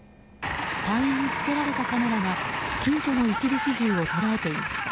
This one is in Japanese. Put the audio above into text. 隊員につけられたカメラが救助の一部始終を捉えていました。